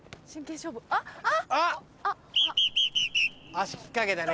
足引っかけたね